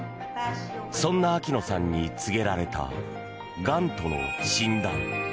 そんな秋野さんに告げられたがんとの診断。